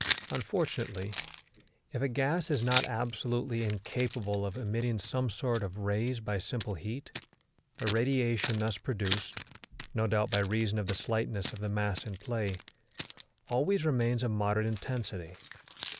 Unfortunately, if a gas is not absolutely incapable of emitting some sort of rays by simple heat, the radiation thus produced, no doubt by reason of the slightness of the mass in play, always remains of moderate intensity.